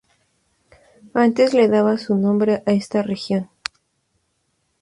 Antes le daba su nombre a esta región.